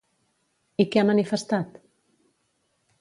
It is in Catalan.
I què ha manifestat?